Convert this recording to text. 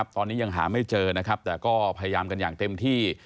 ตอนนี้ยังหาไม่เจอนะครับแต่ก็พยายามกันอย่างเต็มที่